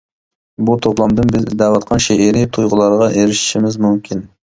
بۇ توپلامدىن بىز ئىزدەۋاتقان شېئىرىي تۇيغۇلارغا ئېرىشىشىمىز مۇمكىن.